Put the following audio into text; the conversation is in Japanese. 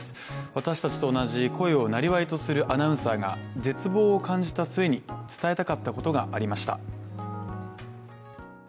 私たちと同じ声をなりわいとするアナウンサーが絶望を感じた末に伝えたかったことがありました。